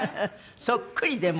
そっくりでも。